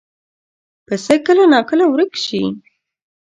پسه کله ناکله ورک شي.